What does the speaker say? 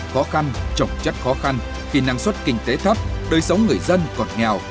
khó khăn trọng chất khó khăn khi năng suất kinh tế thấp đời sống người dân còn nghèo